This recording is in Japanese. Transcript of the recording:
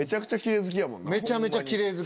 めちゃめちゃきれい好き。